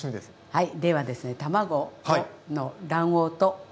はい。